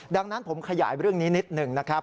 ดังนั้นผมขยายเรื่องนี้นิดหนึ่งนะครับ